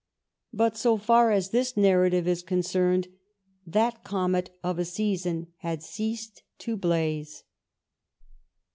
But so far as this narrative is concerned that comet of a season had ceased to blaze.